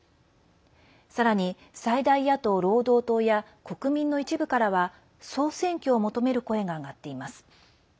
さらに最大野党・労働党や国民の一部からは総選挙を求める声が上がっています。